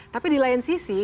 tapi di lain sisi